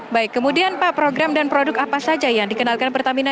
baik kemudian pak program dan produk apa saja yang dikenalkan pertamina